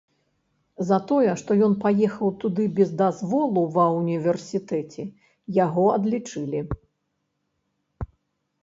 За тое, што ён паехаў туды без дазволу ва ўніверсітэце, яго адлічылі.